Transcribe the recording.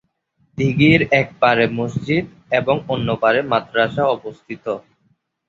দিঘীর এক পারে মসজিদ এবং অন্য পারে মাদ্রাসা অবস্থিত।